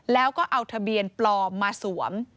แล้วก็เอาทะเบียนปลอมมาสวม